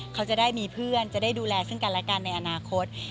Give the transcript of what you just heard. เขาจะได้มีเพื่อนจะได้ดูแลซึ่งกันและกันในอนาคต